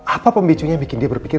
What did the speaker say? apa pemicunya yang bikin dia berpikir